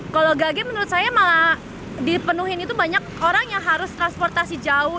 kalau gage menurut saya malah dipenuhi itu banyak orang yang harus transportasi jauh